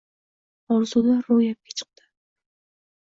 Orzular ro‘yobga chiqdi